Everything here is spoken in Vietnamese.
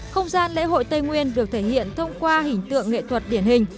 không gian lễ hội tây nguyên được thể hiện thông qua hình tượng nghệ thuật điển hình